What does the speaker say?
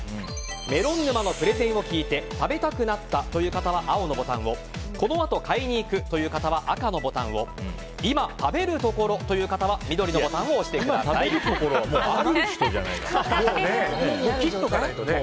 メロン沼のプレゼンを聞いて食べたくなったという方は青のボタンをこのあと買いに行くという方は赤のボタンを今食べるところという方は今食べるところは切っておかないとね。